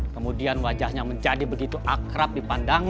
kemudian wajahnya menjadi begitu akrab di pandangan